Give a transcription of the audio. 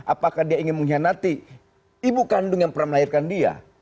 apakah dia ingin mengkhianati ibu kandung yang pernah melahirkan dia